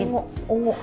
yang ungu ungu